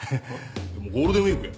もうゴールデンウイークや。